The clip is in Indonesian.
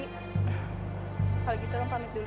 kalau gitu rum pamit dulu ya